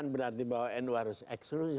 tapi nanti bahwa nu harus eksklusif